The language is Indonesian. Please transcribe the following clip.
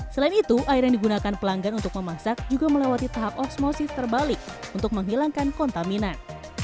selain itu air yang digunakan pelanggan untuk memasak juga melewati tahap oxmosis terbalik untuk menghilangkan kontaminan